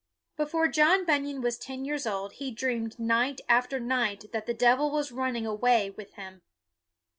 Before John Bunyan was ten years old he dreamed night after night that the devil was running away with him.